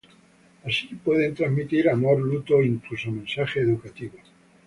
Así pueden transmitir amor, luto o, incluso, mensajes educativos.